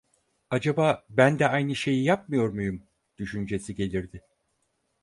"Acaba ben de aynı şeyi yapmıyor muyum?" düşüncesi gelirdi.